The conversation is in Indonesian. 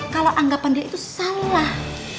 kalau anggapan dia itu salah